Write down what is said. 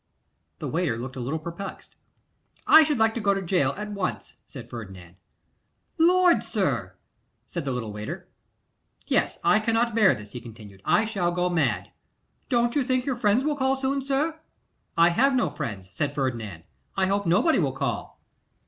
The waiter looked a little perplexed. 'I should like to go to gaol at once,' said Ferdinand. 'Lord! sir!' said the little waiter. 'Yes! I cannot bear this,' he continued; 'I shall go mad.' 'Don't you think your friends will call soon, sir?' 'I have no friends,' said Ferdinand. 'I hope nobody will call.